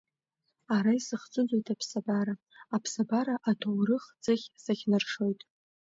Ара исыхӡыӡоит аԥсабара, аԥсабара аҭоурых-ӡыхь сыхьнаршоит.